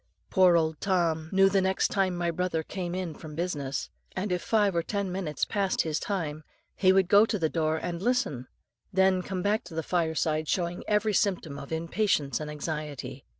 "Poor old Tom knew the time my brother came in from business, and if five or ten minutes past his time, he would go to the door and listen, then come back to the fireside showing every symptom of impatience and anxiety.